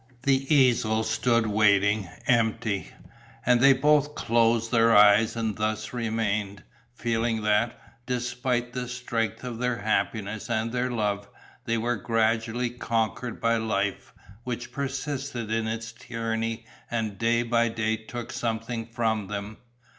The easel stood waiting, empty. And they both closed their eyes and thus remained, feeling that, despite the strength of their happiness and their love, they were gradually conquered by life, which persisted in its tyranny and day by day took something from them.